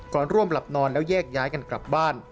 ร่วมหลับนอนแล้วแยกย้ายกันกลับบ้าน